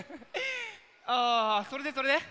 あそれでそれで？